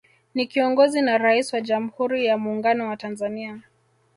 Ni kiongozi na Rais wa Jamhuri ya Muungano wa Tanzania